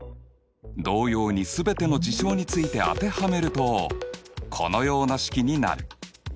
同様に全ての事象について当てはめるとこのような式になる。